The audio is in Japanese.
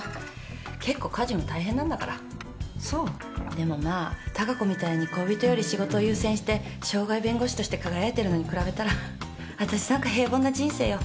でもまあ貴子みたいに恋人より仕事優先して渉外弁護士として輝いてるのに比べたらわたしなんか平凡な人生よ。